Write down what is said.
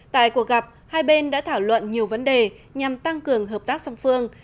tại cuộc gặp hai bên đã thảo luận nhiều vấn đề nhằm tăng cường hợp tác song phương